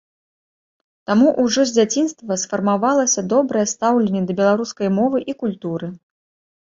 Таму ўжо з дзяцінства сфармавалася добрае стаўленне да беларускай мовы і культуры.